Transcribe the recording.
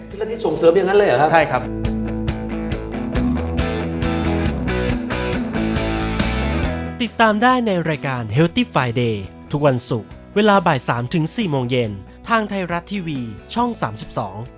พิธีส่งเสริมอย่างนั้นเลยเหรอครับใช่ครับ